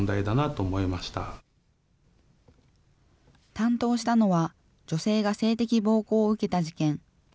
担当したのは、女性が性的暴行を受けた事件。